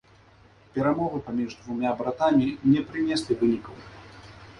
Перамовы паміж двума братамі не прынеслі вынікаў.